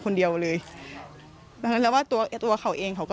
พี่สาวบอกแบบนั้นหลังจากนั้นเลยเตือนน้องตลอดว่าอย่าเข้าใกล้ในพงษ์นะ